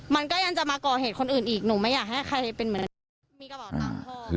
มันก็ยังจะมาก่อเหตุคนอื่นอีกหนูไม่อยากให้ใครเป็นเหมือน